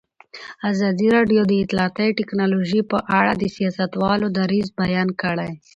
ازادي راډیو د اطلاعاتی تکنالوژي په اړه د سیاستوالو دریځ بیان کړی.